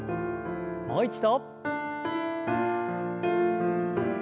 もう一度。